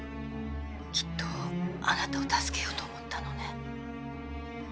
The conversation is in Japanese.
きっとあなたを助けようと思ったのね